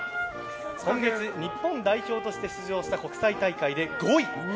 今月、日本代表として出場した国際大会で５位！